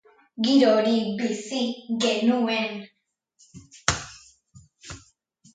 Giro hori bizi genuen.